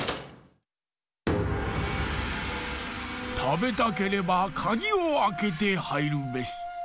たべたければかぎをあけてはいるべし。